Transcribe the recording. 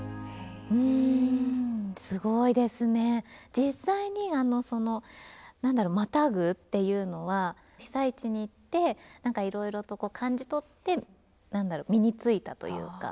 実際にあのその何だろうまたぐっていうのは被災地に行って何かいろいろと感じ取って何だろう身についたというか。